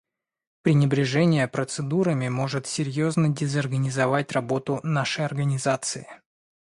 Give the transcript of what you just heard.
Пренебрежение процедурами может серьезно дезорганизовать работу нашей Организации.